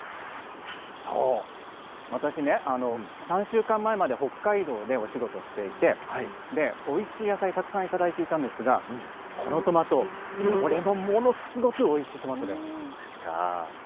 そう、私ね、３週間前まで北海道でお仕事していて、おいしい野菜、たくさんいただいていたんですが、このトマト、これもものすごくおいしいトマトです。